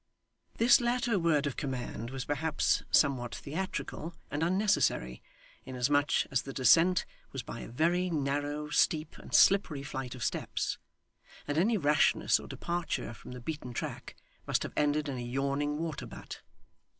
This latter word of command was perhaps somewhat theatrical and unnecessary, inasmuch as the descent was by a very narrow, steep, and slippery flight of steps, and any rashness or departure from the beaten track must have ended in a yawning water butt.